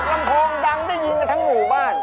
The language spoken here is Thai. ห้องออกลำโพงดำได้ยินทั้งหมู่บ้าน